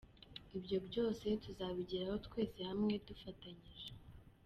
Ibyo byose tuzabigeraho twese hamwe dufatanyije.